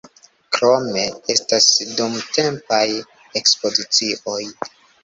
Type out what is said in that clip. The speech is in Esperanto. Krome estas dumtempaj ekspozicioj.